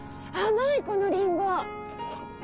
甘いこのリンゴ！